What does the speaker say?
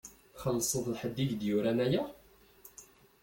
Txellṣeḍ ḥedd i k-d-yuran aya?